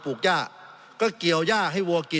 สงบจนจะตายหมดแล้วครับ